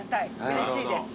うれしいです。